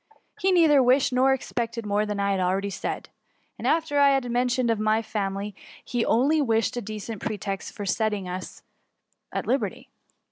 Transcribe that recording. He nettber wish ed nor expected more than I had akeady said. After what I had mentioned of my family^ he only wished a decent pretext for setting us at liberty."